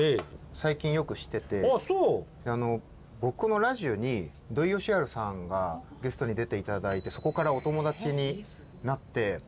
最近よくしてて僕のラジオに土井善晴さんがゲストに出ていただいてそこからお友だちになって。